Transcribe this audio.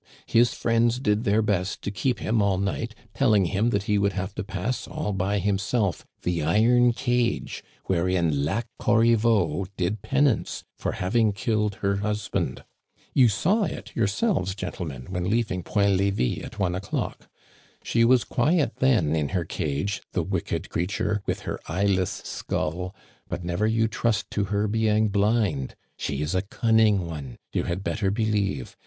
His friends did their best to keep him all night, telling him that he would have to pass, all by himself, the iron cage wherein JLa Corriveau did pen ance for having killed her husband, "You saw it yourselves, gentlemen, when leaving Point Levis at one o'clock. She was quiet then in her cage, the wicked creature, with her eyeless skull. But never you trust to her being blind. She is a cunning one, you had better believe!